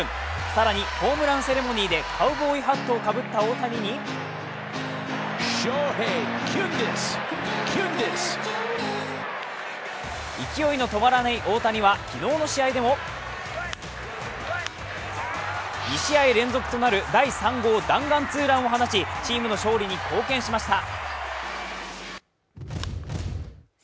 更にホームランセレモニーでカウボーイハットをかぶった大谷に勢いの止まらない大谷は昨日の試合でも２試合連続となる第３号弾丸ツーランを放ちチームの勝利に貢献しました。